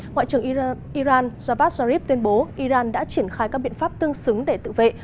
ngoại trưởng iran javad zarif tuyên bố iran đã triển khai các biện pháp tương xứng để tự vệ